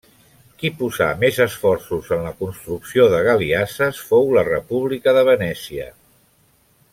Qui posà més esforços en la construcció de galiasses fou la República de Venècia.